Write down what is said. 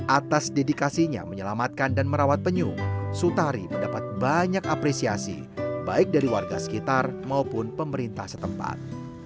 atas dedikasinya menyelamatkan dan merawat penyu sutari mendapat banyak apresiasi baik dari warga sekitar maupun pemerintah setempat